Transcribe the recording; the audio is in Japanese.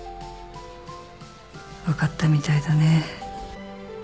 分かったみたいだね。